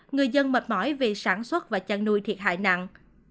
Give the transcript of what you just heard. người dân mệt mỏi vì sản xuất và chăn nuôi thiệt hại nặng